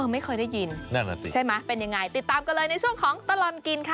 ไม่เคยได้ยินนั่นแหละสิใช่ไหมเป็นยังไงติดตามกันเลยในช่วงของตลอดกินค่ะ